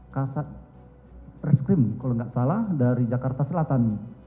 kasat reskrim kalau nggak salah dari jakarta selatan